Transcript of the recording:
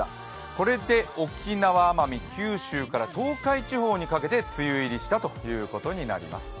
これで沖縄、奄美、九州から東海地方にかけて梅雨入りしたということになります。